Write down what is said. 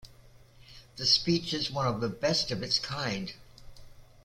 The speech is one of the best of its kind.